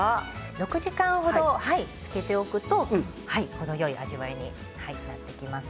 ６時間程、漬けておくと程よい味わいになります。